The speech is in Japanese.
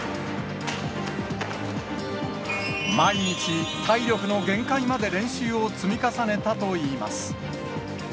毎日、体力の限界まで練習を積み重ねたといいます。